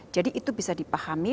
jadi itu bisa dipahami